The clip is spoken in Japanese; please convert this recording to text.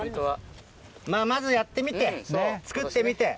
まずやってみて作ってみて。